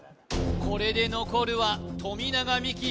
これで残るは富永美樹